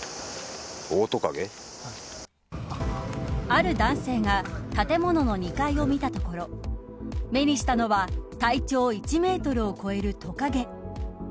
ある男性が建物の２階を見たところ目にしたのは、体長１メートルを超えるトカゲ。